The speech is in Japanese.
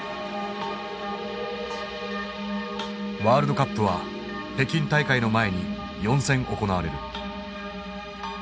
ワールドカップは北京大会の前に４戦行われる。